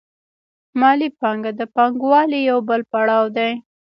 مالي پانګه د پانګوالۍ یو بل پړاو دی